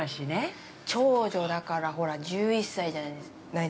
◆長女だから、ほら、１１歳じゃないですか。